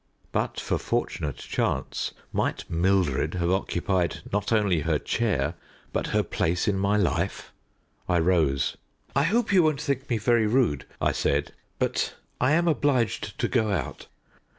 But for fortunate chance might Mildred have occupied, not only her chair, but her place in my life? I rose. "I hope you won't think me very rude," I said; "but I am obliged to go out."